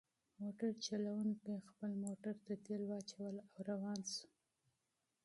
موټر چلونکي خپل موټر ته تیل واچول او روان شو.